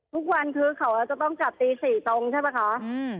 ทุกวันคือเขาจะต้องกลับตี๔ตรงใช่ป่ะคะ